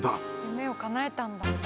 夢をかなえたんだ。